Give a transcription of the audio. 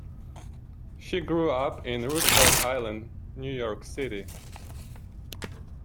She grew up in Roosevelt Island, New York City.